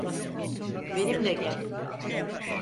Benimle gel.